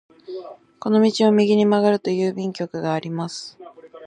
この道を右に曲がると郵便局があります。